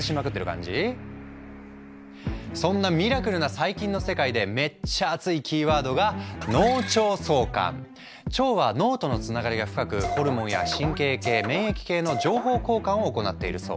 そんなミラクルな細菌の世界でめっちゃ熱いキーワードが腸は脳とのつながりが深くホルモンや神経系免疫系の情報交換を行っているそう。